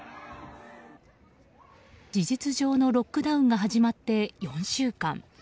事実上のロックダウンが始まって４週間。